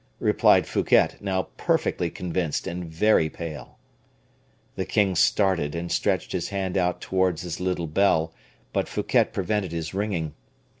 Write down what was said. replied Fouquet, now perfectly convinced and very pale. The king started, and stretched his hand out towards his little bell, but Fouquet prevented his ringing.